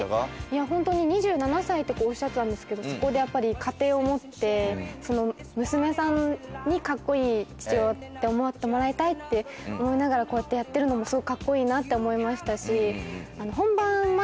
いやホントに２７歳ってこうおっしゃってたんですけどそこでやっぱり家庭を持って娘さんにカッコイイ父親って思ってもらいたいって思いながらこうやってやってるのもすごいカッコイイなって思いましたし。